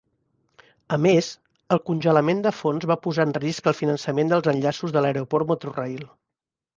A més, el congelament de fons va posar en risc el finançament dels enllaços de l'aeroport Metrorail.